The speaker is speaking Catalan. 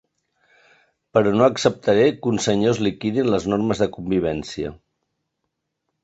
Però no acceptaré que uns senyors liquidin les normes de convivència.